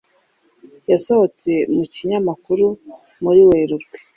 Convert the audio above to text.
yasohotse mu kinyamakuru muri Werurwe